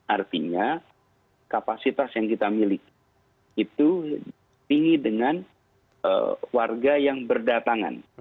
artinya kapasitas yang kita miliki itu tinggi dengan warga yang berdatangan